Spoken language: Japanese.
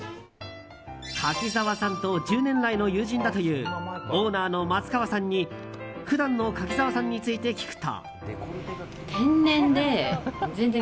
柿澤さんと１０年来の友人だというオーナーの松川さんに普段の柿澤さんについて聞くと。